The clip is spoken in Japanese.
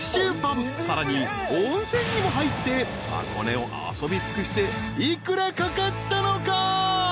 ［さらに温泉にも入って箱根を遊び尽くして幾らかかったのか？］